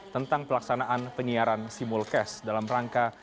tentang pelaksanaan penyiaran simulcas dalam rangka